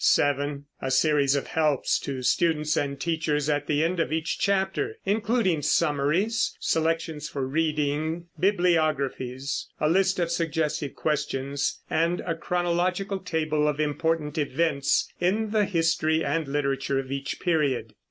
(7) A series of helps to students and teachers at the end of each chapter, including summaries, selections for reading, bibliographies, a list of suggestive questions, and a chronological table of important events in the history and literature of each period.